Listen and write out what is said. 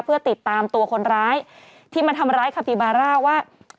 เพื่อติดตามตัวคนร้ายที่มาทำร้ายคาปิบาร่าว่า